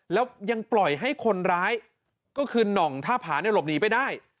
แล้วยังปล่อยให้คนร้ายก็คือน่องท่าผาเนี่ยหลบหนีไปได้